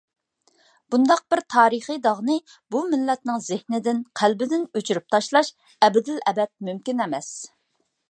بۇنداق بىر تارىخىي داغنى بۇ مىللەتنىڭ زېھنىدىن، قەلبىدىن ئۆچۈرۈپ تاشلاش ئەبەدىلئەبەد مۇمكىن ئەمەس.